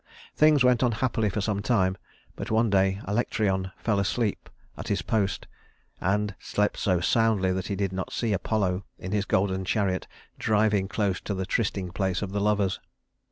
Things went on happily for some time; but one day Alectryon fell asleep at his post, and slept so soundly that he did not see Apollo, in his golden chariot, driving close to the trysting place of the lovers.